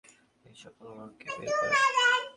এই সব পোকামাকড় কে, বের করেন।